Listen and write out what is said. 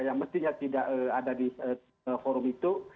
yang mestinya tidak ada di forum itu